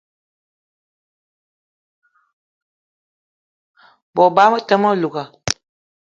Bot bama be te ma louga